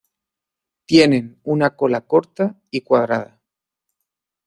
Tienen una cola corta y cuadrada.